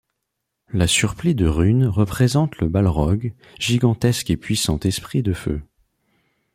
La surplis de Rune représente le Balrog, gigantesque et puissant esprit de feu.